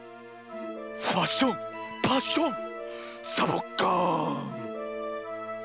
ファッションパッションサボッカーン！